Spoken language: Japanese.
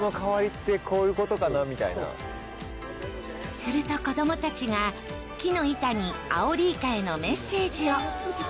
すると、子供たちが木の板にアオリイカへのメッセージを。